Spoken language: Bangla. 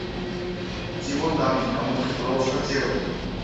জীবন দামী, এমনকি ভালোবাসার চেয়েও।